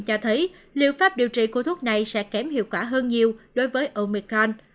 cho thấy liệu pháp điều trị của thuốc này sẽ kém hiệu quả hơn nhiều đối với omican